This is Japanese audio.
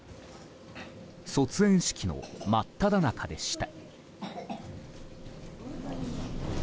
卒園式の真っただ中でした。